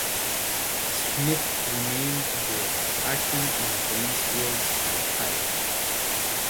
Smith remained aboard, acting as Bransfield's pilot.